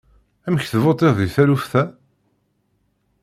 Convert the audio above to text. Amek tvuṭiḍ deg taluft-a?